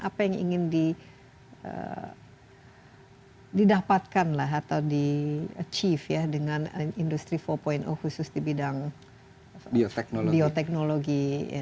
apa yang ingin didapatkan lah atau di achieve ya dengan industri empat khusus di bidang bioteknologi